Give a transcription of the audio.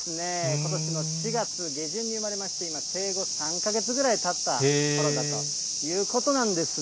ことしの７月下旬に産まれまして今、生後３か月ぐらいたったころだということなんですね。